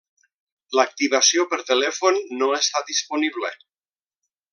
L'activació per telèfon no està disponible.